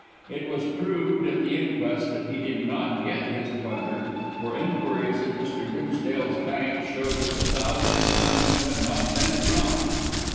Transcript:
It was proved at the inquest that he did not get his plunder, for enquiries at Mr. Dimsdale's bank showed that the thousand pounds had not been drawn.